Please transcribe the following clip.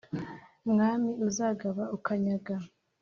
mwami uzagaba ukanyaga.